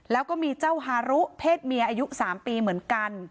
แล้วก็มีเจ้าฮารุเพศเมียอายุ๓ปีเหมือนกัน